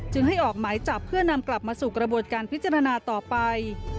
ให้ออกหมายจับเพื่อนำกลับมาสู่กระบวนการพิจารณาต่อไป